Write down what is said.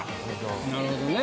なるほどね。